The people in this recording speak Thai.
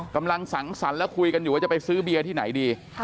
กำลังสังสรรค์แล้วคุยกันอยู่ว่าจะไปซื้อเบียร์ที่ไหนดี